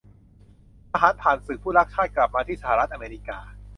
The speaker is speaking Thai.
ทหารผ่านศึกผู้รักชาติกลับมาที่สหรัฐอเมริกา